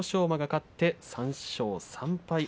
馬が勝って３勝３敗。